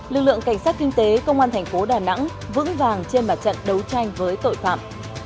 lực lượng cảnh sát kinh tế công an thành phố đà nẵng vững vàng trên mặt trận đấu tranh với tội phạm